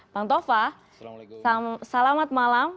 bang tova selamat malam